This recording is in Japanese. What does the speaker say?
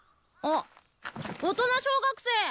あっ大人小学生。